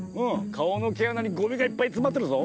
顔の毛穴にゴミがいっぱい詰まっとるぞ。